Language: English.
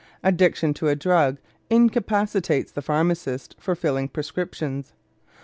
Addiction to a drug incapacitates the pharmacist for filling prescriptions.